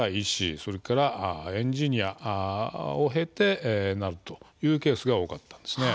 それからエンジニアを経てなるというケースが多かったんです。